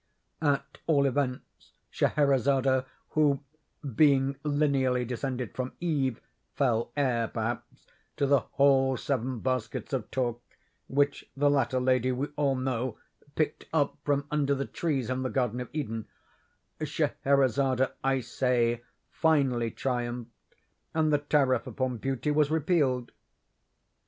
At all events, Scheherazade, who, being lineally descended from Eve, fell heir, perhaps, to the whole seven baskets of talk, which the latter lady, we all know, picked up from under the trees in the garden of Eden; Scheherazade, I say, finally triumphed, and the tariff upon beauty was repealed.